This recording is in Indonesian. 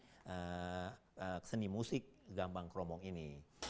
jadi kita bisa mengambil kesenian yang terbaik dari gambang kromong ini